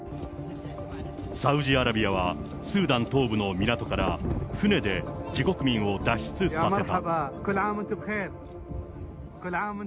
サウジアラビアはスーダン東部の港から船で自国民を脱出させた。